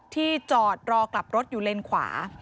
ที่จอดรอกลับรถอยู่เลนขวา